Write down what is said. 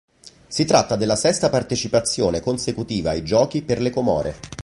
Si tratta della sesta partecipazione consecutiva ai Giochi per le Comore.